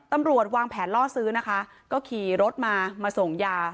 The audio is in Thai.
ตำรวจวางแผนล่อซื้อนะคะก็ขี่รถมามาส่งยา